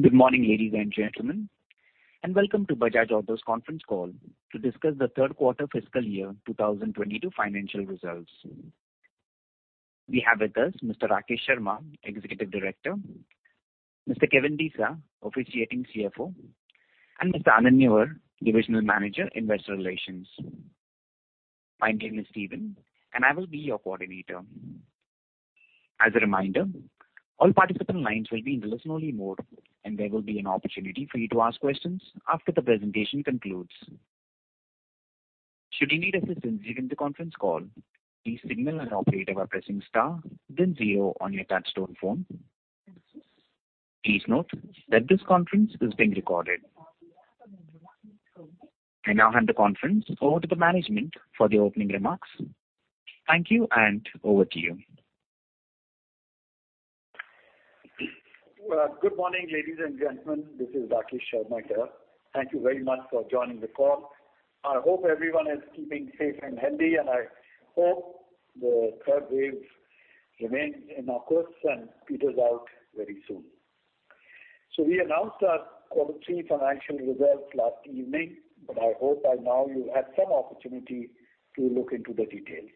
Good morning, ladies and gentlemen, and welcome to Bajaj Auto's conference call to discuss the third quarter fiscal year 2022 financial results. We have with us Mr. Rakesh Sharma, Executive Director, Mr. Kevin D'Sa, Officiating CFO, and Mr. Anand Newar, Divisional Manager, Investor Relations. My name is Steven and I will be your coordinator. As a reminder, all participant lines will be in listen only mode, and there will be an opportunity for you to ask questions after the presentation concludes. Should you need assistance during the conference call, please signal an operator by pressing Star then zero on your touch-tone phone. Please note that this conference is being recorded. I now hand the conference over to the management for the opening remarks. Thank you and over to you. Well, good morning, ladies and gentlemen. This is Rakesh Sharma here. Thank you very much for joining the call. I hope everyone is keeping safe and healthy, and I hope the third wave remains in our course and peters out very soon. We announced our quarter three financial results last evening, but I hope by now you've had some opportunity to look into the details.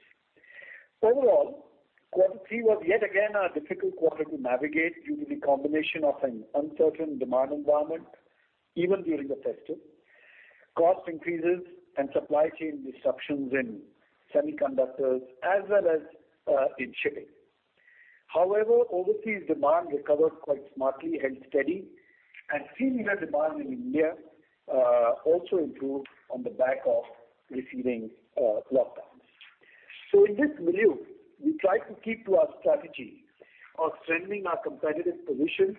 Overall, quarter three was yet again a difficult quarter to navigate due to the combination of an uncertain demand environment even during the festive, cost increases and supply chain disruptions in semiconductors as well as in shipping. However, overseas demand recovered quite smartly and steady and three-wheeler demand in India also improved on the back of receding lockdowns. In this milieu, we try to keep to our strategy of strengthening our competitive position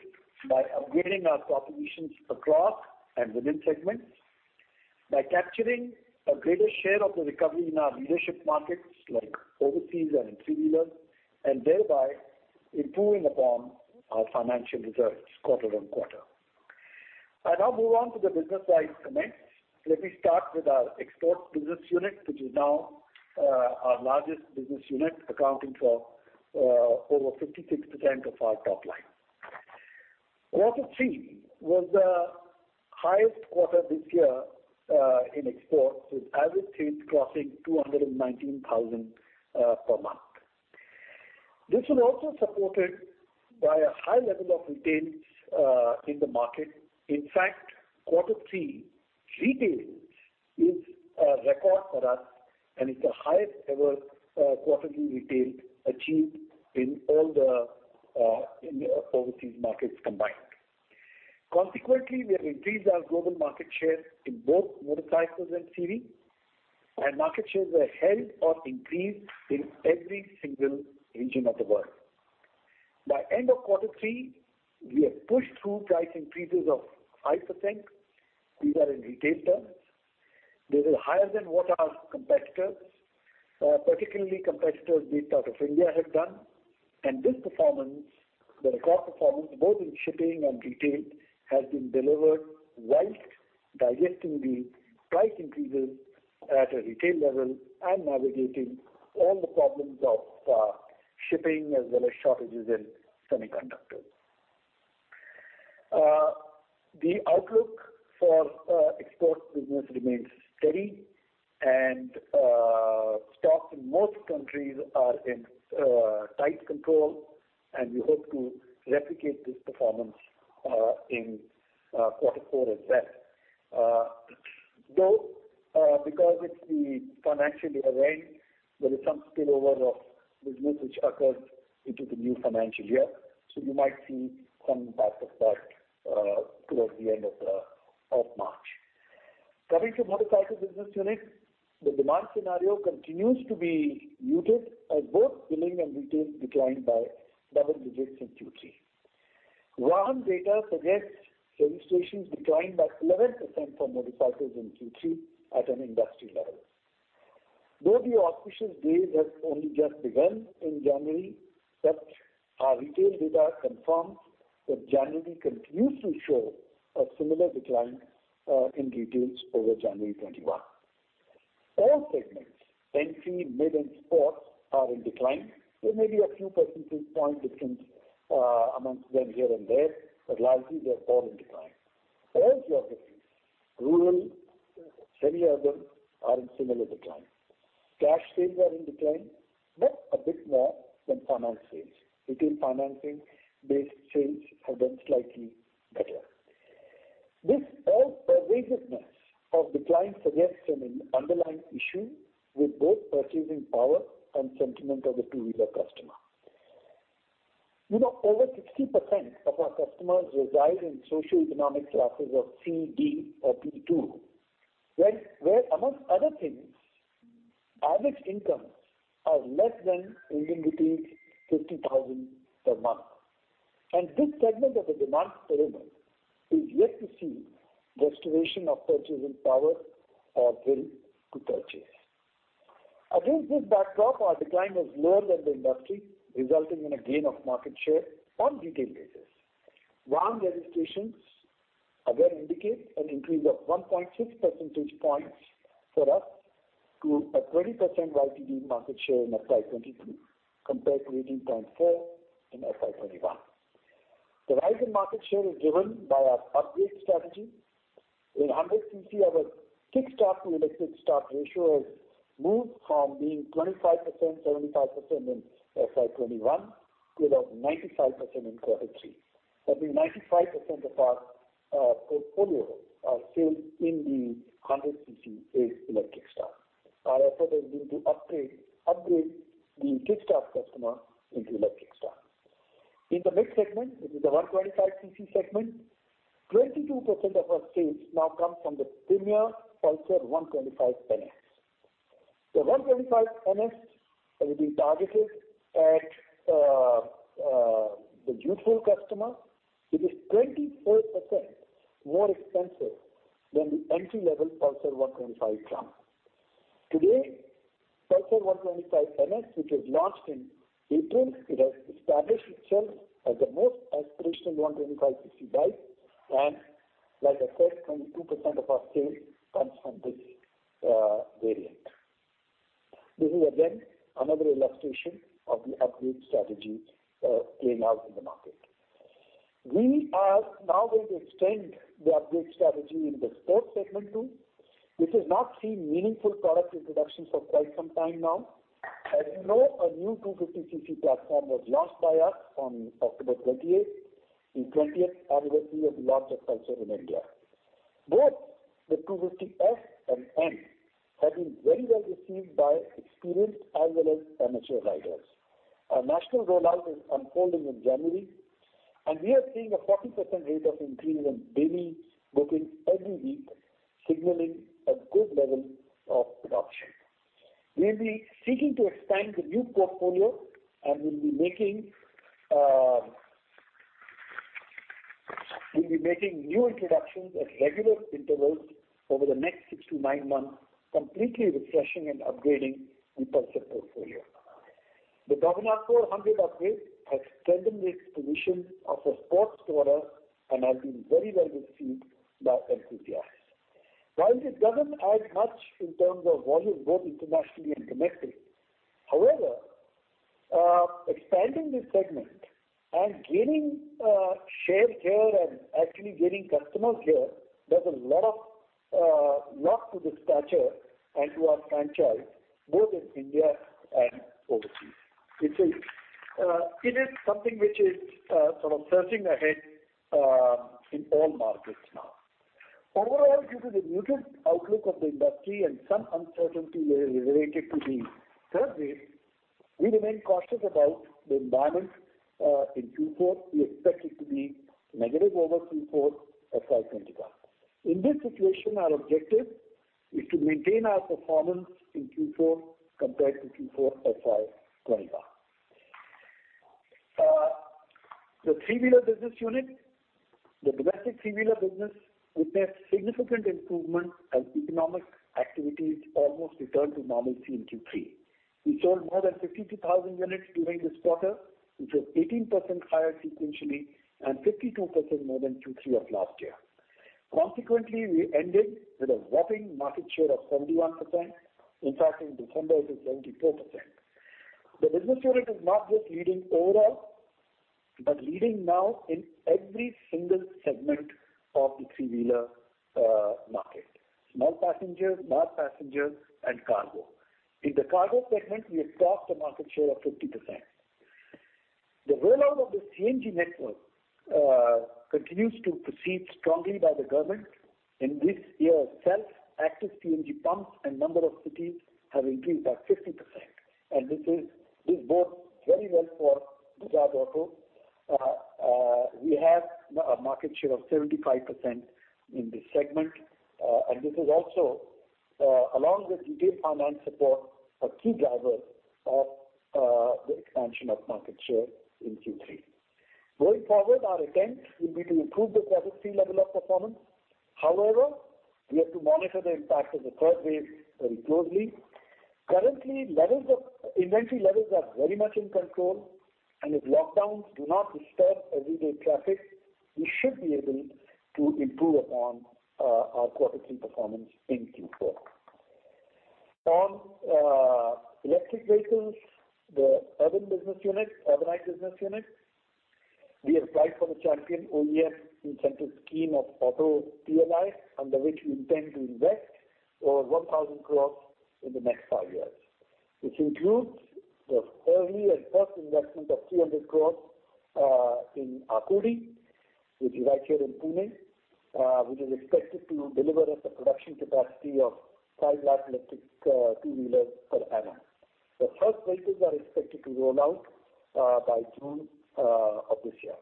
by upgrading our propositions across and within segments, by capturing a greater share of the recovery in our leadership markets like overseas and in three-wheelers, and thereby improving upon our financial results quarter on quarter. I now move on to the business-wide comments. Let me start with our exports business unit, which is now our largest business unit, accounting for over 56% of our top line. Quarter three was the highest quarter this year in exports with average sales crossing 219,000 per month. This was also supported by a high level of retails in the market. In fact, quarter three retails is a record for us, and it's the highest ever quarterly retail achieved in all the overseas markets combined. Consequently, we have increased our global market share in both motorcycles and TV, and market shares were held or increased in every single region of the world. By end of quarter three, we have pushed through price increases of 5%. These are in retail terms. This is higher than what our competitors, particularly competitors based out of India have done. This performance, the record performance both in shipping and retail, has been delivered whilst digesting the price increases at a retail level and navigating all the problems of shipping as well as shortages in semiconductors. The outlook for exports business remains steady and stocks in most countries are in tight control, and we hope to replicate this performance in quarter four as well. Though, because it's the financial year end, there is some spillover of business which occurs into the new financial year. You might see some impact of that towards the end of March. Coming to motorcycle business unit, the demand scenario continues to be muted as both billing and retails declined by double digits in Q3. VAHAN data suggests registrations declined by 11% for motorcycles in Q3 at an industry level. Though the auspicious days have only just begun in January, but our retail data confirms that January continues to show a similar decline in retails over January 2021. All segments, fancy, mid, and sports are in decline. There may be a few percentage point difference among them here and there, but largely they are all in decline. Across geographies, rural, semi-urban are in similar decline. Cash sales are in decline, but a bit more than finance sales. Retail financing-based sales have done slightly better. This all pervasiveness of decline suggests an underlying issue with both purchasing power and sentiment of the two-wheeler customer. You know, over 60% of our customers reside in socioeconomic classes of C, D, or B2, right, where amongst other things, average incomes are less than 50,000 per month. This segment of the demand pyramid is yet to see restoration of purchasing power or will to purchase. Against this backdrop, our decline was lower than the industry, resulting in a gain of market share on retail basis. VAHAN registrations again indicate an increase of 1.6 percentage points for us to a 20% YTD market share in FY 2022 compared to 18.4 in FY 2021. The rise in market share is driven by our upgrade strategy. In 100 cc our kick start to electric start ratio has moved from being 25%, 75% in FY 2021 to about 95% in quarter three. That means 95% of our portfolio are sold in the 100 cc is electric start. Our effort has been to upgrade the kick start customer into electric start. In the next segment, which is the 125 cc segment, 22% of our sales now comes from the Pulsar NS125. The NS125 has been targeted at the youthful customer. It is 24% more expensive than the entry-level Pulsar 125. Today, Pulsar NS125, which was launched in April, it has established itself as the most aspirational 125 cc bike and like I said, 22% of our sales comes from this variant. This is again another illustration of the upgrade strategy playing out in the market. We are now going to extend the upgrade strategy in the sports segment too, which has not seen meaningful product introductions for quite some time now. As you know, a new 250 cc platform was launched by us on October 28th, the 20th anniversary of the launch of Pulsar in India. Both the Pulsar F250 and N250 have been very well received by experienced as well as amateur riders. Our national rollout is unfolding in January, and we are seeing a 40% rate of increase in daily bookings every week, signaling a good level of adoption. We'll be seeking to expand the new portfolio and we'll be making new introductions at regular intervals over the next six to nine months, completely refreshing and upgrading the Pulsar portfolio. The Dominar 400 upgrade has strengthened the position of the sports tourer and has been very well received by enthusiasts. While it doesn't add much in terms of volume, both internationally and domestically. However, expanding this segment and gaining share here and actually gaining customers here does a lot to the stature and to our franchise both in India and overseas, which is something which is sort of surging ahead in all markets now. Overall, due to the muted outlook of the industry and some uncertainty related to the third wave, we remain cautious about the environment in Q4. We expect it to be negative over Q4 FY 2021. In this situation, our objective is to maintain our performance in Q4 compared to Q4 FY 2021. The three-wheeler business unit. The domestic three-wheeler business witnessed significant improvement as economic activities almost returned to normalcy in Q3. We sold more than 52,000 units during this quarter, which was 18% higher sequentially and 52% more than Q3 of last year. Consequently, we ended with a whopping market share of 71%. In fact, in December it was 74%. The business unit is not just leading overall, but leading now in every single segment of the three-wheeler market. Small passenger, large passenger and cargo. In the cargo segment, we have crossed a market share of 50%. The rollout of the CNG network continues to proceed strongly by the government. In this year itself, active CNG pumps and number of cities have increased by 50%. This bodes very well for Bajaj Auto. We have a market share of 75% in this segment. This is also, along with retail finance support, a key driver of the expansion of market share in Q3. Going forward, our attempt will be to improve the quarterly level of performance. However, we have to monitor the impact of the third wave very closely. Currently, inventory levels are very much in control. If lockdowns do not disturb everyday traffic, we should be able to improve upon our quarterly performance in Q4. On electric vehicles, the Urbanite business unit. We applied for the Champion OEM Incentive Scheme of Auto PLI, under which we intend to invest over 1,000 crore in the next five years, which includes the early and first investment of 300 crore in Akurdi, which is right here in Pune, which is expected to deliver us a production capacity of 5 lakh electric two-wheelers per annum. The first vehicles are expected to roll out by June of this year.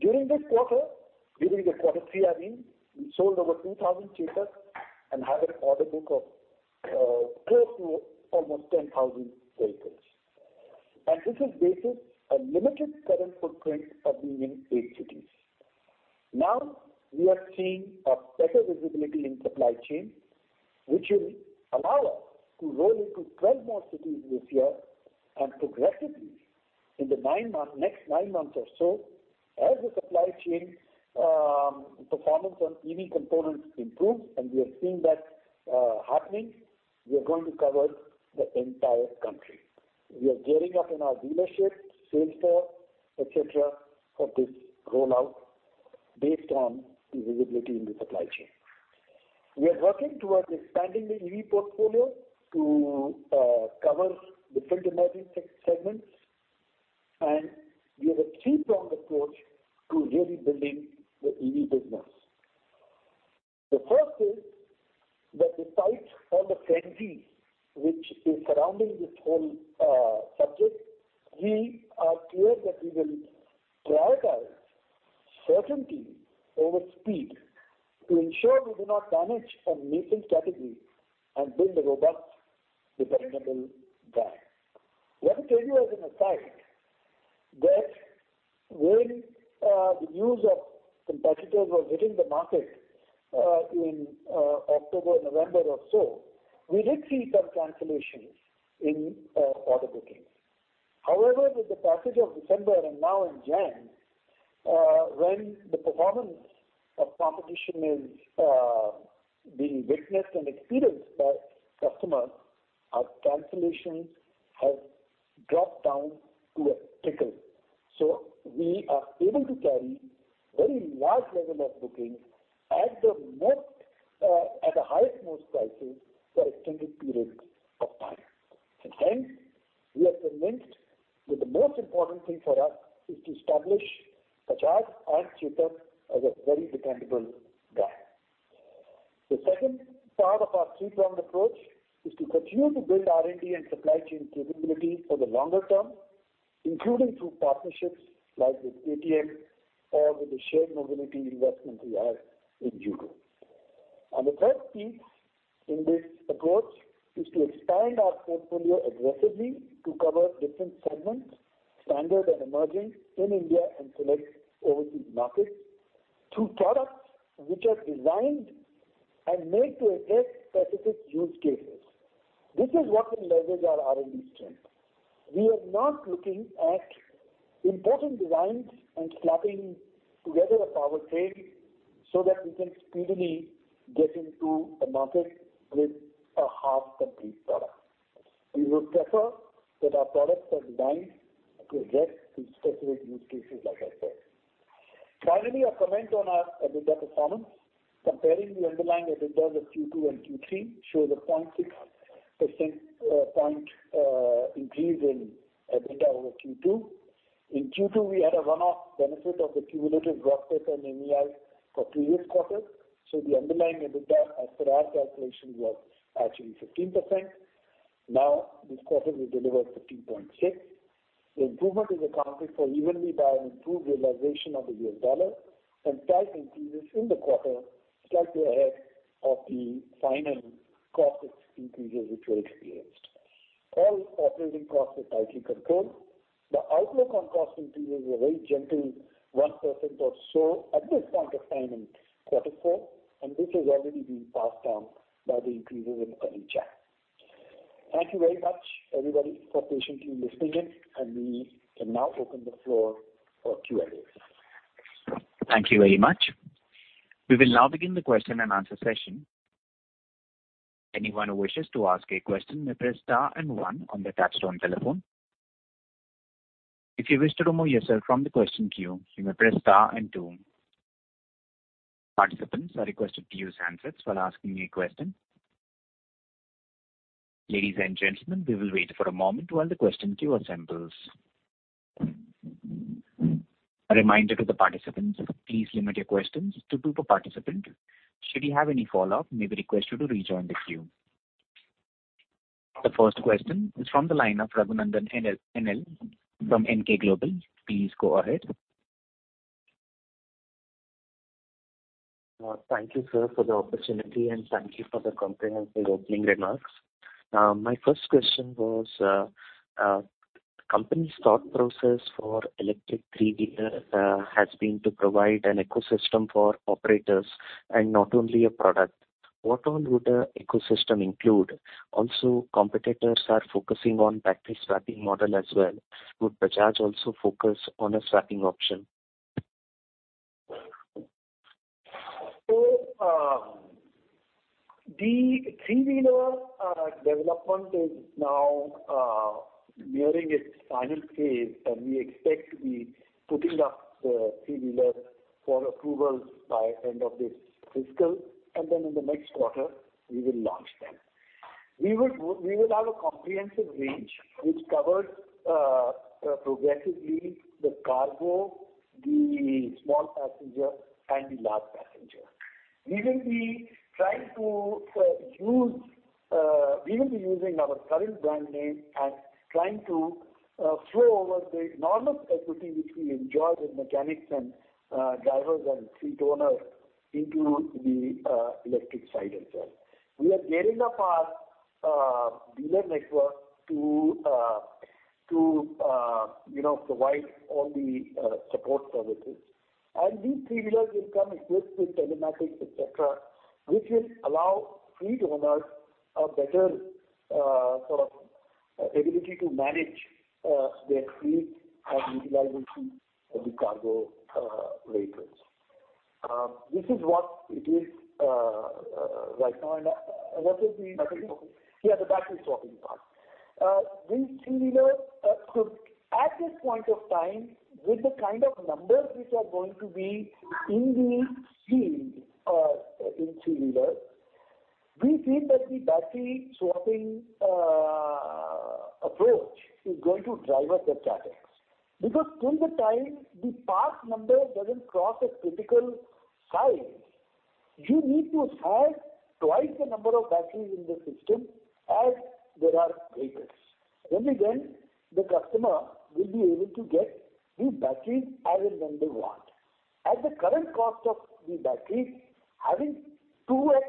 During this quarter, during quarter three I mean, we sold over 2,000 Chetak and have an order book of close to almost 10,000 vehicles. This is based on limited current footprint of being in eight cities. Now, we are seeing a better visibility in supply chain, which will allow us to roll into 12 more cities this year and progressively next nine months or so, as the supply chain performance on EV components improve, and we are seeing that happening, we are going to cover the entire country. We are gearing up in our dealership, sales force, et cetera, for this rollout based on the visibility in the supply chain. We are working towards expanding the EV portfolio to cover different emerging segments, and we have a three-pronged approach to really building the EV business. The first is that despite all the frenzy which is surrounding this whole subject, we are clear that we will prioritize certainty over speed to ensure we do not damage our nascent category and build a robust, dependable brand. Let me tell you as an aside that when the news of competitors was hitting the market in October, November or so, we did see some cancellations in order bookings. However, with the passage of December and now in January, when the performance of competition is being witnessed and experienced by customers, our cancellations have dropped down to a trickle. We are able to carry very large level of bookings at the highest prices for extended periods of time. Hence, we are convinced that the most important thing for us is to establish Bajaj and Chetak as a very dependable brand. The second part of our three-pronged approach is to continue to build R&D and supply chain capabilities for the longer term, including through partnerships like with KTM or with the shared mobility investment we have in Yulu. The third piece in this approach is to expand our portfolio aggressively to cover different segments, standard and emerging, in India and select overseas markets through products which are designed and made to address specific use cases. This is what will leverage our R&D strength. We are not looking at importing designs and slapping together a powertrain so that we can speedily get into a market with a half-complete product. We would prefer that our products are designed to address the specific use cases, like I said. Finally, a comment on our EBITDA performance. Comparing the underlying EBITDA of Q2 and Q3 shows a 0.6% increase in EBITDA over Q2. In Q2, we had a one-off benefit of accumulated gross pay and MEIS for previous quarters, so the underlying EBITDA as per our calculation was actually 15%. Now, this quarter we delivered 15.6%. The improvement is accounted for evenly by an improved realization of the U.S. dollar and price increases in the quarter slightly ahead of the final cost increases which were experienced. All operating costs are tightly controlled. The outlook on cost increases is a very gentle 1% or so at this point of time in quarter four, and this has already been passed on by the increases in the coming January. Thank you very much, everybody, for patiently listening in, and we can now open the floor for Q&A. Thank you very much. We will now begin the question and answer session. Anyone who wishes to ask a question may press star and one on their touchtone telephone. If you wish to remove yourself from the question queue, you may press star and two. Participants are requested to use handsets while asking a question. Ladies and gentlemen, we will wait for a moment while the question queue assembles. A reminder to the participants, please limit your questions to two per participant. Should you have any follow-up, we may request you to rejoin the queue. The first question is from the line of Raghunandhan NL from Emkay Global. Please go ahead. Thank you, sir, for the opportunity, and thank you for the comprehensive opening remarks. My first question was, the company's thought process for electric three-wheeler has been to provide an ecosystem for operators and not only a product. What all would an ecosystem include? Also, competitors are focusing on battery swapping model as well. Would Bajaj also focus on a swapping option? The three-wheeler development is now nearing its final phase, and we expect to be putting up the three-wheeler for approvals by end of this fiscal. In the next quarter, we will launch them. We will have a comprehensive range which covers progressively the cargo, the small passenger, and the large passenger. We will be using our current brand name and trying to flow over the enormous equity which we enjoy with mechanics and drivers and fleet owners into the electric side as well. We are gearing up our dealer network to, you know, provide all the support services. These three-wheelers will come equipped with telematics, et cetera, which will allow fleet owners a better sort of ability to manage their fleet and utilization of the cargo vehicles. This is what it is right now. What is the Battery swapping. Yeah, the battery swapping part. These three-wheelers, at this point of time, with the kind of numbers which are going to be in the field, in three-wheelers, we feel that the battery swapping approach is going to drive up the CapEx. Because till the time the park number doesn't cross a critical size, you need to have twice the number of batteries in the system as there are vehicles. Only then the customer will be able to get new batteries as and when they want. At the current cost of the batteries, having two X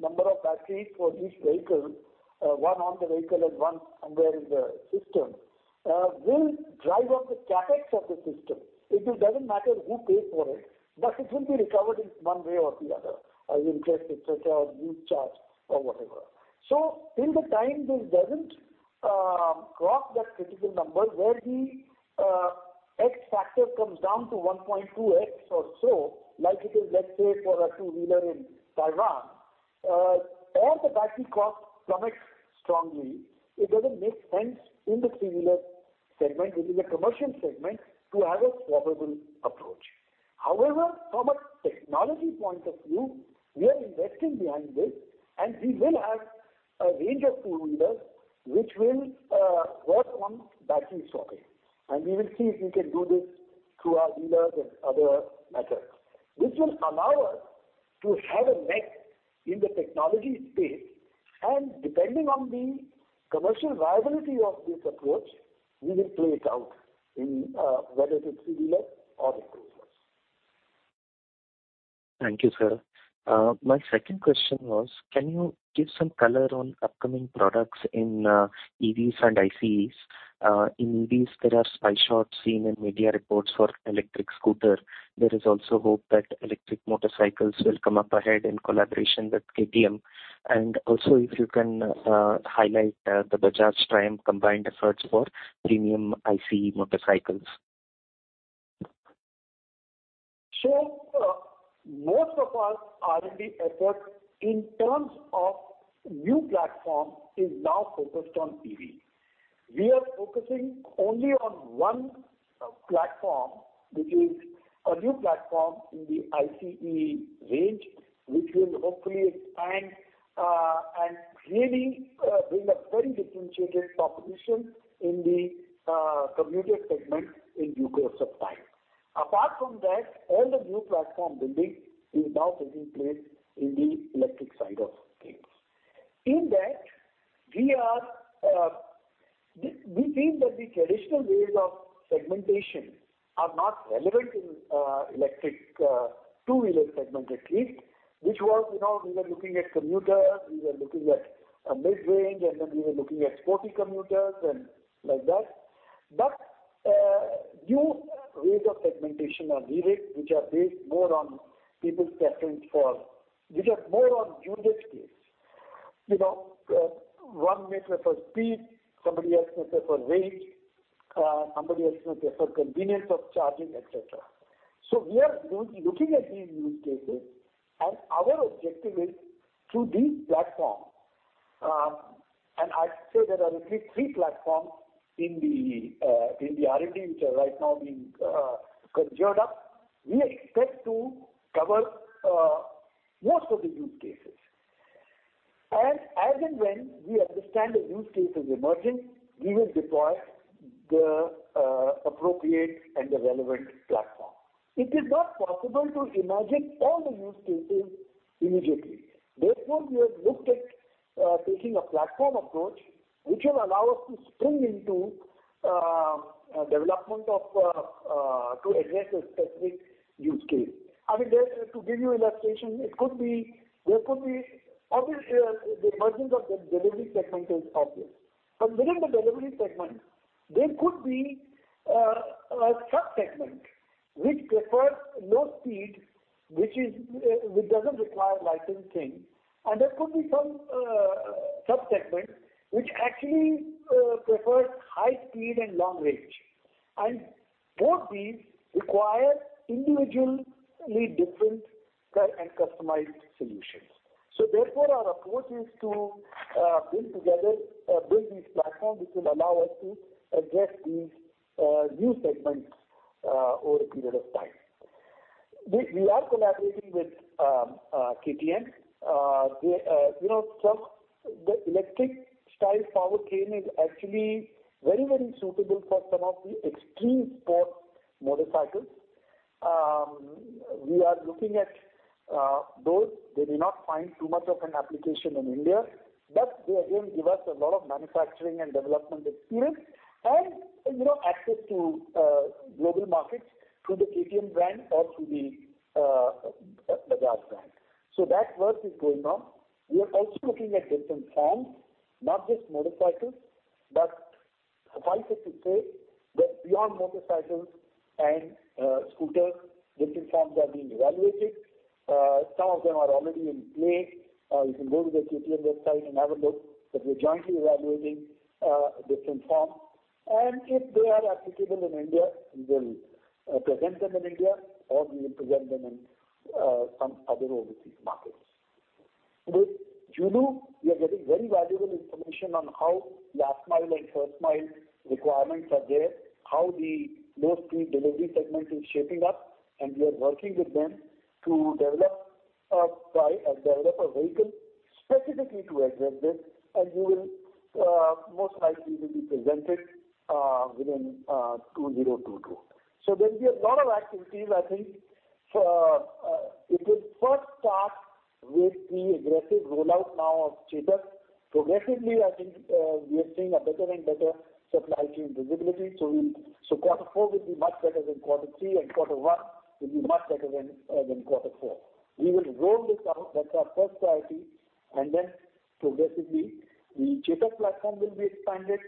number of batteries for each vehicle, one on the vehicle and one wherein the system, will drive up the CapEx of the system. It doesn't matter who pays for it, but it will be recovered in one way or the other, increased et cetera or new charge or whatever. Till the time this doesn't cross that critical number where the x factor comes down to 1.2x or so, like it is, let's say, for a two-wheeler in Taiwan, or the battery cost plummets strongly, it doesn't make sense in the three-wheeler segment, which is a commercial segment, to have a swappable approach. However, from a technology point of view, we are investing behind this, and we will have a range of two-wheelers which will work on battery swapping, and we will see if we can do this through our dealers and other methods. This will allow us to have a niche in the technology space, and depending on the commercial viability of this approach, we will play it out in whether it's three-wheeler or two-wheelers. Thank you, sir. My second question was, can you give some color on upcoming products in EVs and ICEs? In EVs there are spy shots seen in media reports for electric scooter. There is also hope that electric motorcycles will come up ahead in collaboration with KTM. Also if you can highlight the Bajaj Triumph combined efforts for premium ICE motorcycles. Most of our R&D efforts in terms of new platform is now focused on EV. We are focusing only on one platform, which is a new platform in the ICE range, which will hopefully expand and really bring a very differentiated proposition in the commuter segment in due course of time. Apart from that, all the new platform building is now taking place in the electric side of things. In that, we feel that the traditional ways of segmentation are not relevant in electric two-wheeler segment at least, which was, you know, we were looking at commuters, we were looking at a mid-range, and then we were looking at sporty commuters and like that. New ways of segmentation are needed, which are more on use case. You know, one may prefer speed, somebody else may prefer range, somebody else may prefer convenience of charging, et cetera. We are looking at these use cases, and our objective is through these platforms, and I'd say there are at least three platforms in the R&D which are right now being conjured up. We expect to cover most of the use cases. As and when we understand a use case is emerging, we will deploy the appropriate and the relevant platform. It is not possible to imagine all the use cases immediately. Therefore, we have looked at taking a platform approach, which will allow us to spring into development to address a specific use case. I mean, to give you illustration, it could be, there could be. Obviously, the emergence of the delivery segment is obvious. Within the delivery segment, there could be a sub-segment which prefers low speed, which doesn't require licensing, and there could be some sub-segment which actually prefers high speed and long range. Both these require individually different customized solutions. Therefore, our approach is to build these platforms which will allow us to address these new segments over a period of time. We are collaborating with KTM. They you know the electric style powertrain is actually very, very suitable for some of the extreme sport motorcycles. We are looking at those. They may not find too much of an application in India, but they again give us a lot of manufacturing and development experience and, you know, access to global markets through the KTM brand or through the Bajaj brand. That work is going on. We are also looking at different forms, not just motorcycles. Suffice it to say that beyond motorcycles and scooters, different forms are being evaluated. Some of them are already in play. You can go to the KTM website and have a look. But we're jointly evaluating different forms. If they are applicable in India, we will present them in India or we will present them in some other overseas markets. With Yulu, we are getting very valuable information on how last mile and first mile requirements are there, how the low-speed delivery segment is shaping up, and we are working with them to develop a bike and develop a vehicle specifically to address this. We will most likely present it within 2022. There'll be a lot of activities, I think. It will first start with the aggressive rollout now of Chetak. Progressively, I think, we are seeing a better and better supply chain visibility. Quarter four will be much better than quarter three, and quarter one will be much better than quarter four. We will roll this out. That's our first priority. Progressively, the Chetak platform will be expanded,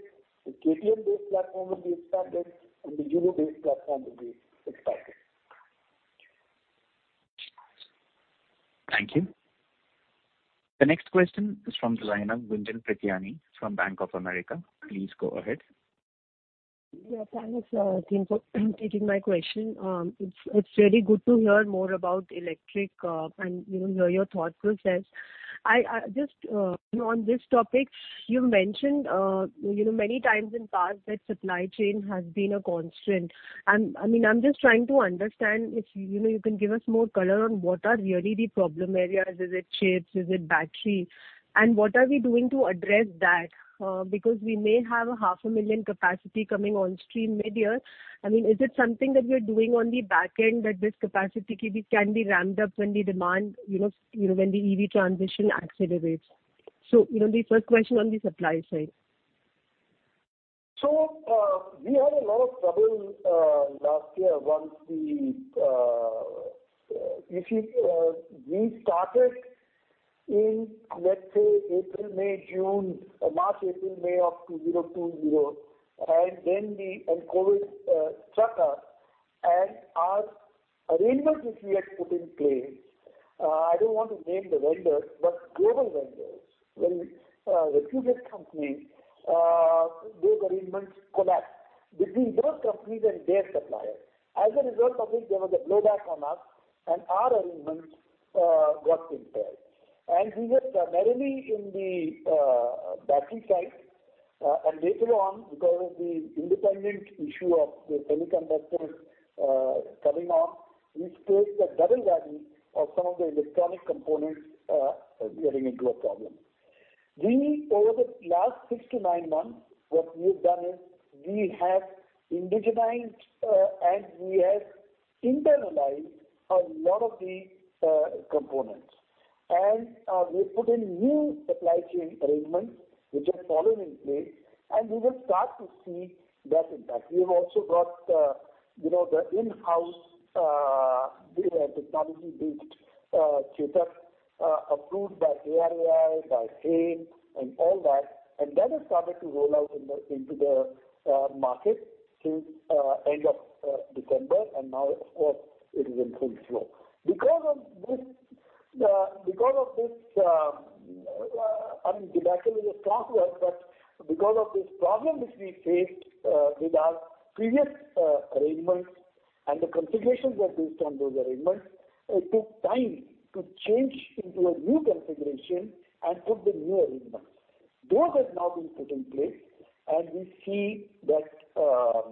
the KTM-based platform will be expanded, and the Yulu-based platform will be expanded. Thank you. The next question is from the line of Gunjan Prithyani from Bank of America. Please go ahead. Yeah, thanks, team for taking my question. It's really good to hear more about electric, and you know, hear your thought process. I just, you know, on this topic, you mentioned you know, many times in past that supply chain has been a constraint. I mean, I'm just trying to understand if you know, you can give us more color on what are really the problem areas. Is it chips? Is it battery? What are we doing to address that? Because we may have half a million capacity coming on stream midyear. I mean, is it something that we're doing on the back end that this capacity can be ramped up when the demand you know, when the EV transition accelerates? You know, the first question on the supply side. We had a lot of trouble last year. We started in, let's say, April, May, June or March, April, May of 2020. The COVID struck us and our arrangements which we had put in place. I don't want to name the vendors, but global vendors, when the previous company, those arrangements collapsed between those companies and their suppliers. As a result of it, there was a blowback on us and our arrangements got impaired. We were primarily in the battery side. Later on, because of the independent issue of the semiconductors coming on, we faced a double whammy of some of the electronic components getting into a problem. We, over the last six-nine months, what we have done is we have indigenized, and we have internalized a lot of the components. We've put in new supply chain arrangements which have fallen in place, and we will start to see that impact. We have also got, you know, the in-house, you know, technology-based Chetak approved by ARAI, by CMVR and all that. That has started to roll out into the market since end of December. Now, of course, it is in full flow. Because of this, I mean, debacle is a strong word, but because of this problem which we faced with our previous arrangements and the configurations were based on those arrangements, it took time to change into a new configuration and put the new arrangements. Those have now been put in place, and we see a better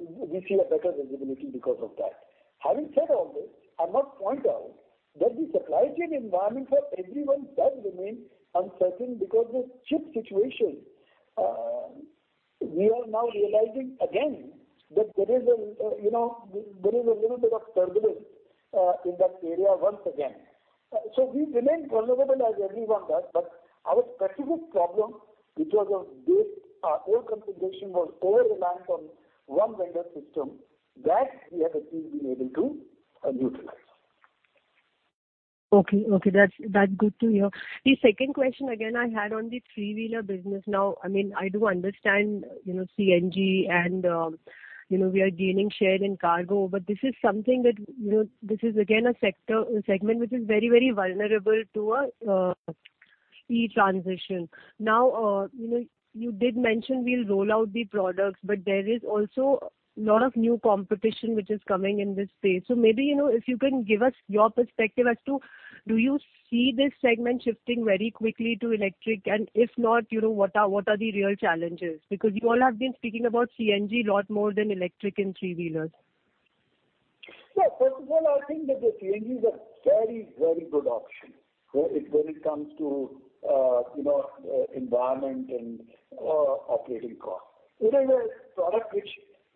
visibility because of that. Having said all this, I must point out that the supply chain environment for everyone does remain uncertain because the chip situation, we are now realizing again that there is a little bit of turbulence in that area once again. We remain vulnerable as everyone does, but our specific problem, which was of this old configuration, was over-reliant on one vendor system that we have actually been able to neutralize. Okay, that's good to hear. The second question again I had on the three-wheeler business. Now, I mean, I do understand, you know, CNG and, you know, we are gaining share in cargo. But this is something that, you know, this is again a sector, a segment which is very vulnerable to a speedy transition. Now, you know, you did mention we'll roll out the products, but there is also a lot of new competition which is coming in this space. So maybe, you know, if you can give us your perspective as to do you see this segment shifting very quickly to electric? And if not, you know, what are the real challenges? Because you all have been speaking about CNG a lot more than electric and three-wheelers. First of all, I think that the CNG is a very, very good option when it comes to you know environment and operating costs. It is a product which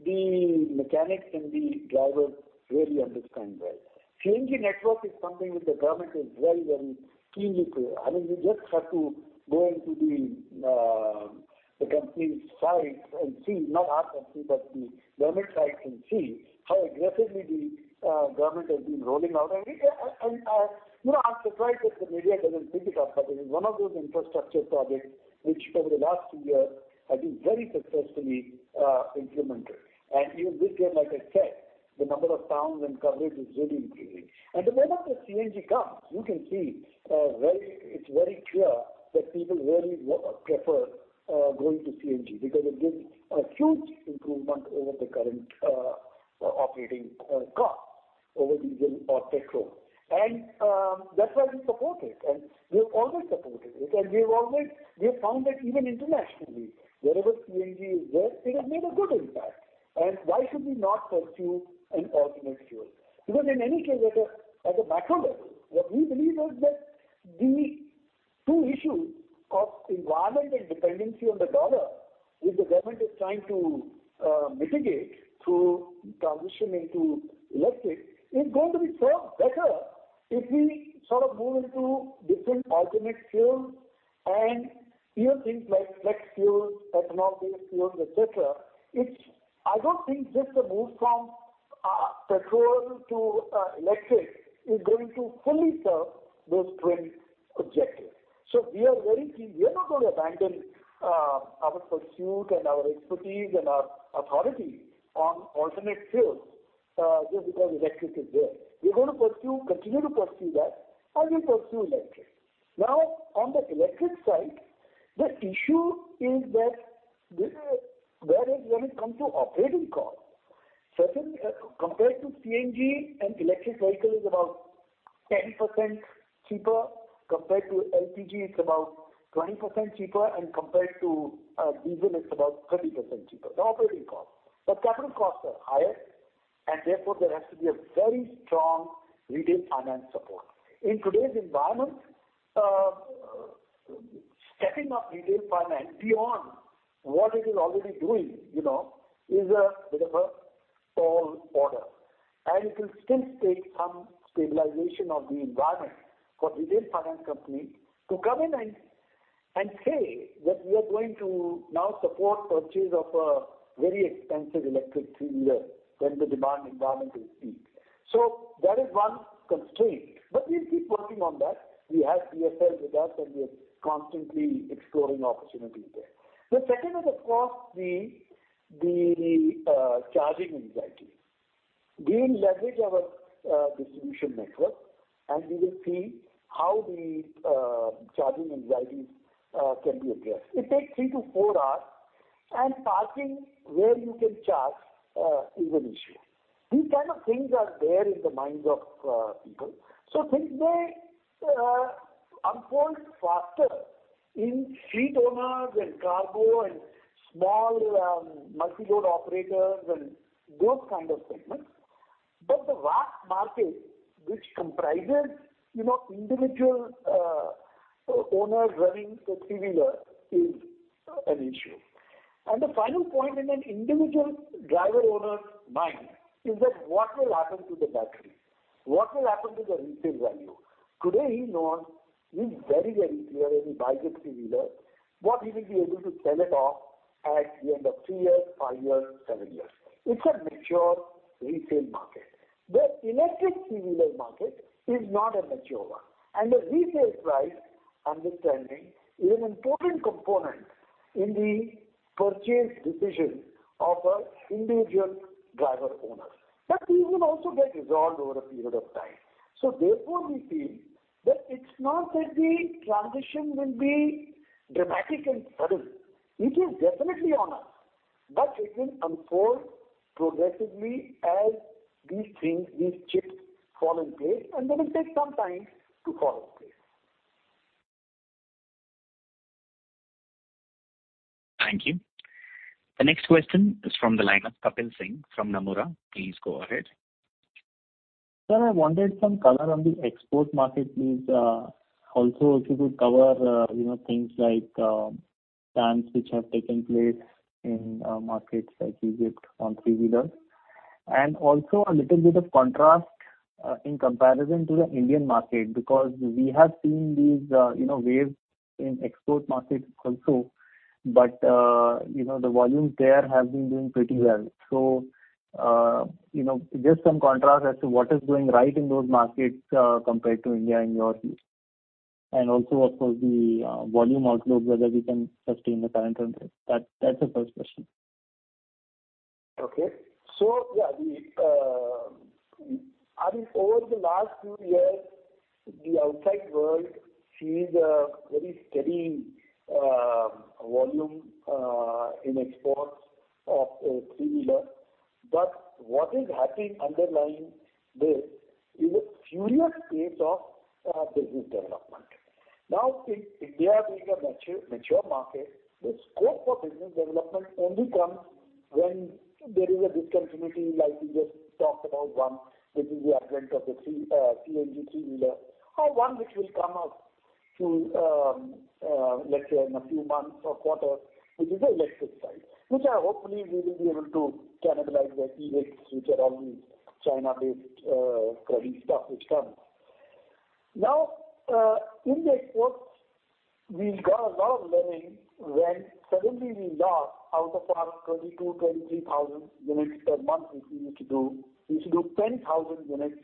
the mechanics and the drivers really understand well. CNG network is something which the government is very, very keen to. I mean, you just have to go into the company's site and see, not our company, but the government site and see how aggressively the government has been rolling out. You know, I'm surprised that the media doesn't pick it up, but it is one of those infrastructure projects which over the last two years has been very successfully implemented. Even this year, like I said, the number of towns and coverage is really increasing. The moment the CNG comes, you can see, it's very clear that people really prefer going to CNG because it gives a huge improvement over the current operating cost over diesel or petrol. That's why we support it, and we have always supported it. We have found that even internationally, wherever CNG is there, it has made a good impact. Why should we not pursue an alternate fuel? Because in any case, at a macro level, what we believe is that the two issues of environment and dependency on the dollar, which the government is trying to mitigate through transition into electric, is going to be served better if we sort of move into different alternate fuels and even things like flex fuels, ethanol-based fuels, et cetera. I don't think just a move from petrol to electric is going to fully serve those twin objectives. We are very keen. We are not going to abandon our pursuit and our expertise and our authority on alternate fuels just because electric is there. We're going to pursue, continue to pursue that, and we'll pursue electric. Now, on the electric side, the issue is that there is, when it comes to operating costs, certainly, compared to CNG, an electric vehicle is about 10% cheaper. Compared to LPG, it's about 20% cheaper, and compared to diesel, it's about 30% cheaper, the operating costs. Capital costs are higher, and therefore, there has to be a very strong retail finance support. In today's environment, stepping up retail finance beyond what it is already doing, you know, is a bit of a tall order. It will still take some stabilization of the environment for retail finance company to come in and say that we are going to now support purchase of a very expensive electric three-wheeler when the demand environment is weak. That is one constraint, but we'll keep working on that. We have BFL with us, and we are constantly exploring opportunities there. The second is, of course, the charging anxiety. We'll leverage our distribution network, and we will see how the charging anxiety can be addressed. It takes three to four hours, and parking where you can charge is an issue. These kind of things are there in the minds of people. Things may unfold faster in fleet owners and cargo and small multi-load operators and those kind of segments. The vast market which comprises, you know, individual owners running a three-wheeler is an issue. The final point in an individual driver owner's mind is that what will happen to the battery? What will happen to the resale value? Today, he knows, he's very, very clear when he buys a three-wheeler, what he will be able to sell it off at the end of three years, five years, seven years. It's a mature resale market. The electric three-wheeler market is not a mature one, and the resale price understanding is an important component in the purchase decision of a individual driver owner. These will also get resolved over a period of time. We feel that it's not that the transition will be dramatic and sudden. It is definitely on us, but it will unfold progressively as these things, these chips fall in place, and they will take some time to fall in place. Thank you. The next question is from the line of Kapil Singh from Nomura. Please go ahead. Sir, I wanted some color on the export market, please. Also if you could cover, you know, things like, plans which have taken place in, markets like Egypt on three-wheelers. Also a little bit of contrast in comparison to the Indian market, because we have seen these, you know, waves in export markets also. You know, the volumes there have been doing pretty well. You know, just some contrast as to what is doing right in those markets, compared to India, in your view. Also, of course, the volume outlook, whether we can sustain the current run rate. That's the first question. I think over the last few years, the outside world sees a very steady volume in exports of a three-wheeler. But what is happening underlying this is a furious pace of business development. Now, in India being a mature market, the scope for business development only comes when there is a discontinuity, like you just talked about one, which is the advent of the CNG three-wheeler, or one which will come up to, let's say in a few months or quarters, which is the electric side. Which hopefully we will be able to cannibalize the e-rickshaws, which are all these China-based crappy stuff which comes. Now, in the exports, we got a lot of learning when suddenly we lost out of our 22,000-23,000 units per month which we used to do. We used to do 10,000 units